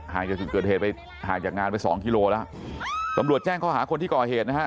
จากจุดเกิดเหตุไปห่างจากงานไปสองกิโลแล้วตำรวจแจ้งข้อหาคนที่ก่อเหตุนะฮะ